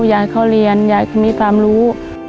ยายเขาเรียนยายมีความรู้